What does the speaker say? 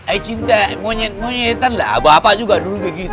eh cinta monyet monyetan lah bapak juga dulu begitu